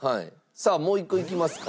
さあもう一個いきますか？